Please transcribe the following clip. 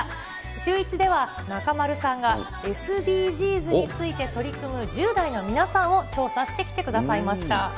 シューイチでは、中丸さんがＳＤＧｓについて取り組む１０代の皆さんを調査してきてくださいました。